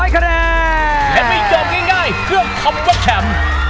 ๓๐๐คะแนน